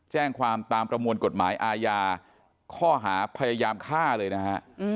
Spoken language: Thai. แจ้งความตามประมวลกฎหมายอาญาข้อหาพยายามฆ่าเลยนะฮะ